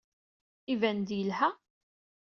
Iban-d yelha.